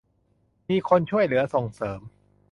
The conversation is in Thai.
มีคนช่วยเหลือส่งเสริม